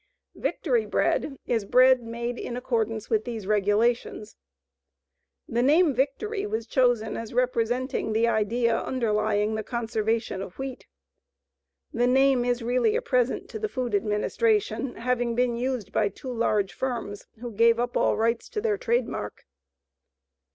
Victory bread is bread made in accordance with these regulations. The name "Victory" was chosen as representing the idea underlying the conservation of wheat. The name is really a present to the Food Administration, having been used by two large firms who gave up all rights to their trade mark.